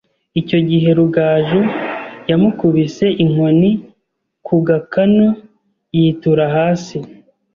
Icyo gihe Rugaju yamukubise inkoni ku gakanu yitura hasi